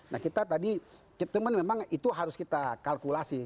nah kita tadi memang itu harus kita kalkulasi